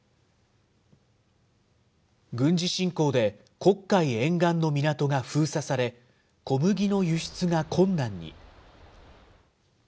軍事侵攻で黒海沿岸の港が封鎖され、小麦の輸出が困難に。